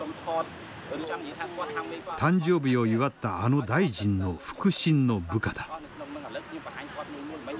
誕生日を祝ったあの大臣の腹心の部下だ。